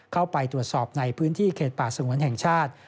เข้าไปตรวจสอบในพื้นที่เขตป่าสงวนแห่งชาติ